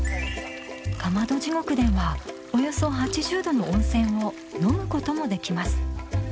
かまど地獄ではおよそ８０℃の温泉を飲むこともできます